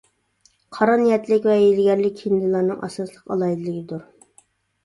قارا نىيەتلىك ۋە ھىيلىگەرلىك ھىندىلارنىڭ ئاساسلىق ئالاھىدىلىكىدۇر.